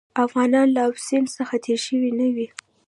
افغانان له اباسین څخه تېر شوي نه وي.